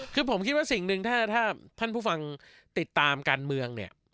คือผมคิดว่าสิ่งหนึ่งถ้าท่านผู้ฟังติดตามการเมืองเนี่ย